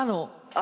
「あ」